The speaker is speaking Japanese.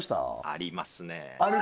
ありますねある？